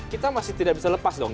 kita masih tidak bisa lepas dong